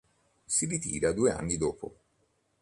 Si ritira due anni dopo.